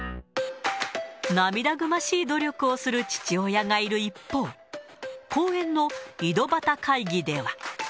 涙ぐましい努力をする父親がいる一方、公園の井戸端会議では。